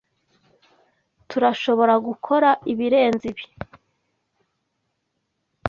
Turashoboragukora ibirenze ibi.